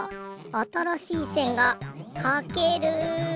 あたらしいせんがかける。